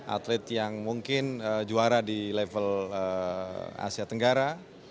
atlet yang mungkin juara di level asia tenggara